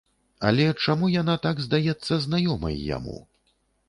Але чаму яна так здаецца знаёмай яму?